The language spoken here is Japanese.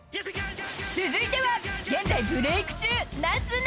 ［続いては現在ブレーク中］